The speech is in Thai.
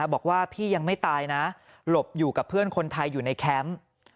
บอกว่าพี่ยังไม่ตายนะหลบอยู่กับเพื่อนคนไทยอยู่ในแคมป์